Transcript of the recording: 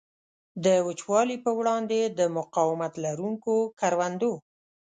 د وچوالي په وړاندې د مقاومت لرونکو کروندو.